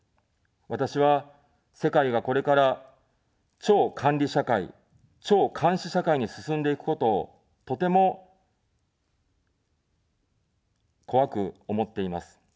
私は、世界が、これから超管理社会、超監視社会に進んでいくことをとても怖く思っています。